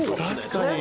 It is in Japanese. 確かに！